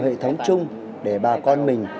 hệ thống chung để bà con mình